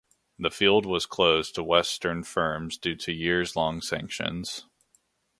The field was closed to Western firms due to years-long sanctions.